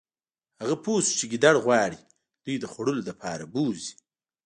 هغه پوه شو چې ګیدړ غواړي دوی د خوړلو لپاره بوزي